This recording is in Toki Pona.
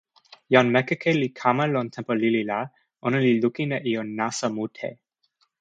jan Mekeke li kama lon tenpo lili la, ona li lukin e ijo nasa mute.